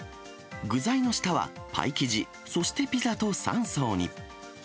具材の下はパイ生地、そしてピザと３層に。